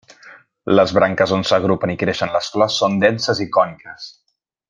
Les branques on s'agrupen i creixen les flors són denses i còniques.